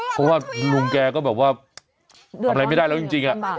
เพราะว่าลุงแกก็แบบว่าทำอะไรไม่ได้แล้วจริง